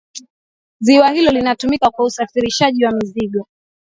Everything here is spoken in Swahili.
ziwa hilo linatumika kwa usafirishaji wa mizigo